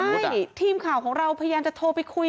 ใช่ทีมข่าวของเราพยายามจะโทรไปคุย